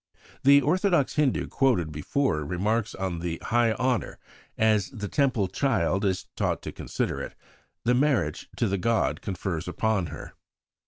The orthodox Hindu quoted before remarks on the "high honour," as the Temple child is taught to consider it, the marriage to the god confers upon her.